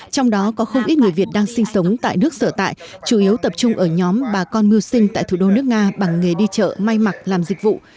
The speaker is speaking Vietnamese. trong đó có không ít người việt đang sinh sống tại nước sở tại chủ yếu tập trung ở nhóm bà con mưu sinh tại thủ đô nước nga bằng nghề đi chợ may mặc làm dịch vụ